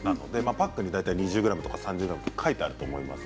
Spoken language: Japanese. パックに２０ｇ、３０ｇと書いていると思います。